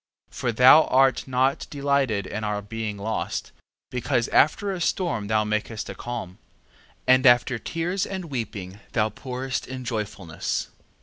3:22. For thou art not delighted in our being lost, because after a storm thou makest a calm, and after tears and weeping thou pourest in joyfulness.